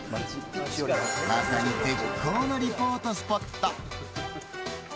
まさに絶好のリポートスポット。